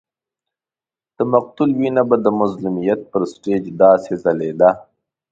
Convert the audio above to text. د مقتول وینه به د مظلومیت پر سټېج داسې ځلېدله.